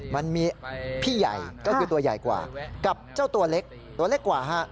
มันมีพี่ใหญ่ก็คือตัวใหญ่กว่ากับเจ้าตัวเล็กตัวเล็กกว่าฮะ